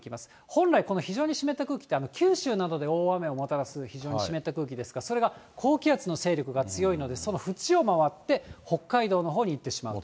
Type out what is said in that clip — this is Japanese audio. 本来、この非常に湿った空気って、九州などで大雨をもたらす非常に湿った空気ですが、それが高気圧の勢力が強いので、その縁を回って、北海道のほうに行ってしまう。